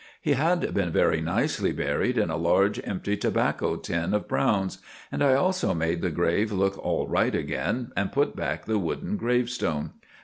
He had been very nicely buried in a large, empty tobacco tin of Browne's; and I also made the grave look all right again and put back the wooden gravestone.